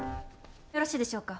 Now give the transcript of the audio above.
よろしいでしょうか。